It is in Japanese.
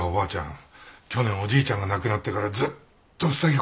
去年おじいちゃんが亡くなってからずっとふさぎ込んでるんだよ。